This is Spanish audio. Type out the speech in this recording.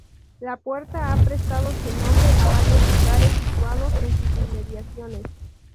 La puerta ha prestado su nombre a varios lugares situados en sus inmediaciones.